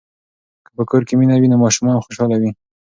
که په کور کې مینه وي نو ماشومان خوشاله وي.